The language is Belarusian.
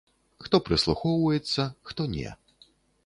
Хто прыслухоўваецца, хто не.